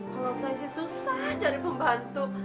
kalau saya sih susah cari pembantu